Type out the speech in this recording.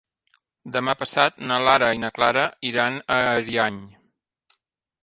Demà passat na Lara i na Clara iran a Ariany.